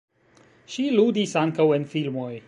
Ŝi ludis ankaŭ en filmoj.